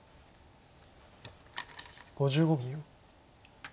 ５５秒。